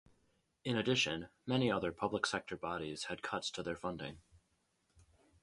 In addition many other public sector bodies had cuts to their funding.